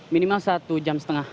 minimal satu jam setengah